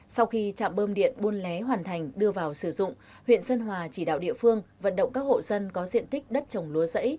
sau khi trạm bơm điện buôn lé hoàn thành đưa vào sử dụng huyện sơn hòa chỉ đạo địa phương vận động các hộ dân có diện tích đất trồng lúa rẫy